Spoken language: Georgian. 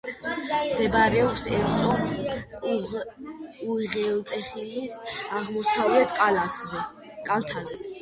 მდებარეობს ერწოს უღელტეხილის აღმოსავლეთ კალთაზე.